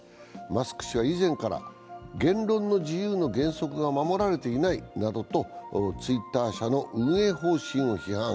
マスク氏は以前から、言論の自由の原則が守られていないなどとツイッター社の運営方針を批判。